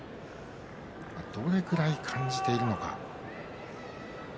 どれくらい感じているのか。